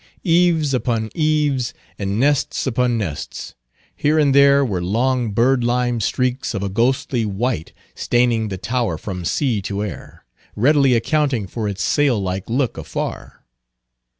Eaves upon eaves, and nests upon nests. Here and there were long birdlime streaks of a ghostly white staining the tower from sea to air, readily accounting for its sail like look afar.